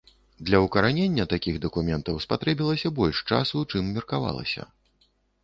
Для ўкаранення такіх дакументаў спатрэбілася больш часу, чым меркавалася.